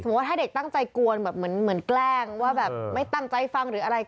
ถ้าเด็กตั้งใจกวนแบบเหมือนแกล้งว่าแบบไม่ตั้งใจฟังหรืออะไร